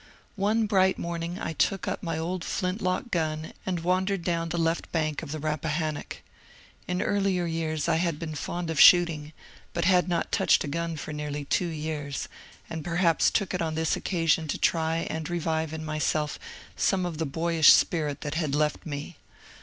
One bright morning I took up my old flint lock gun and wandered down the left bank of the Rappahannock. In earlier years I had been fond of shooting, but had not touched a gun for nearly two years, and perhaps took it on this occasion to try and revive in myself some of the boyish spirit that had left me.